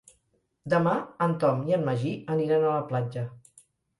Demà en Tom i en Magí aniran a la platja.